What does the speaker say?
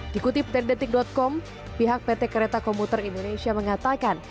dikutip tendetik com pihak pt kereta komuter indonesia mengatakan